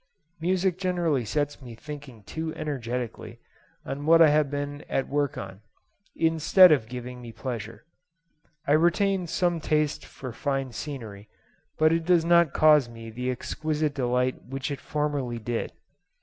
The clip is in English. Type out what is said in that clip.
Music generally sets me thinking too energetically on what I have been at work on, instead of giving me pleasure. I retain some taste for fine scenery, but it does not cause me the exquisite delight which it formerly did.